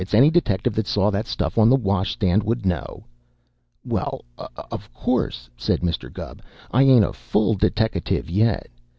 "Any detective that saw that stuff on the washstand would know." "Well, of course," said Mr. Gubb, "I ain't a full deteckative yet.